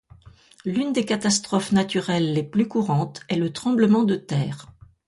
L'une des catastrophes naturelles les plus courantes est le tremblement de terre.